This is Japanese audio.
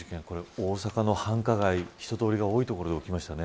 大阪の繁華街、人通りが多い所で起きましたね。